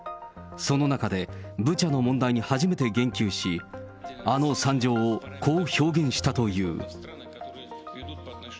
その中で、ブチャの問題に初めて言及し、あの惨状をこう表現したという。